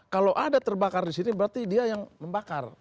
kalau ada terbakar disini berarti dia yang membakar